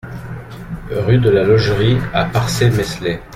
Rue de la Logerie à Parçay-Meslay